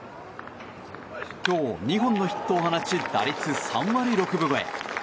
今日、２本のヒットを放ち打率３割６分超え。